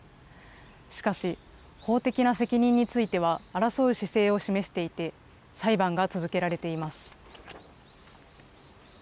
しかし、法的な責任については争う姿勢を示していて、裁判が続けられています。